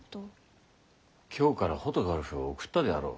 京からホトガラフを送ったであろう。